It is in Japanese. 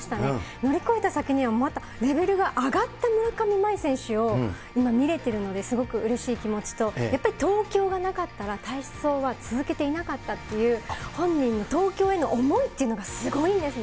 乗り越えた先にはまたレベルが上がった村上茉愛選手を今、見れてるので、すごくうれしい気持ちと、やっぱり東京がなかったら、体操は続けていなかったっていう、本人の東京への思いっていうのがすごいんですね。